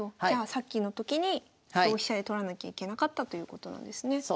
じゃあさっきの時に同飛車で取らなきゃいけなかったということなんですね。